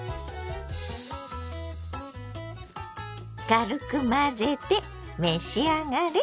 軽く混ぜて召し上がれ。